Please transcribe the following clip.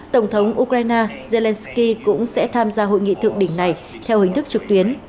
tổng thống ukraine zelensky cũng sẽ tham gia hội nghị thượng đỉnh này theo hình thức trực tuyến